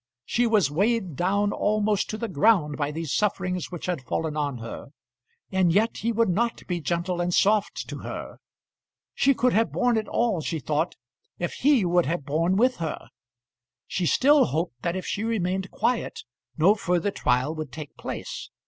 She was weighed down almost to the ground by these sufferings which had fallen on her, and yet he would not be gentle and soft to her. She could have borne it all, she thought, if he would have borne with her. She still hoped that if she remained quiet no further trial would take place.